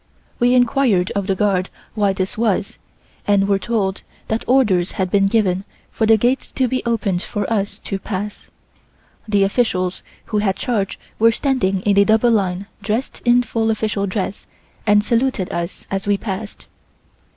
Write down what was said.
We inquired of the guard why this was, and were told that orders had been given for the gates to be opened for us to pass. The officials who had charge were standing in a double line dressed in full official dress and saluted us as we passed.